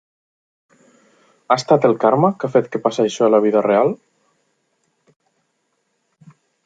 Ha estat el karma, que ha fet que passi això a la vida real?